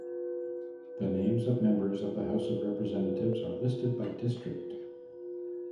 The names of members of the House of Representatives are listed by district.